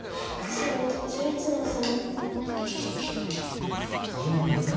白１３の三。